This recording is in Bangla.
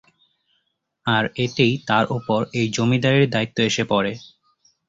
আর এতেই তার উপর এই জমিদারীর দায়িত্ব এসে পড়ে।